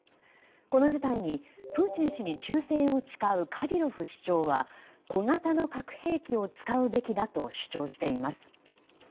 この事態に、プーチン氏に忠誠を誓うカディロフ首長は小型の核兵器を使うべきだと主張しています。